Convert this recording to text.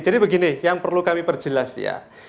jadi begini yang perlu kami perjelas ya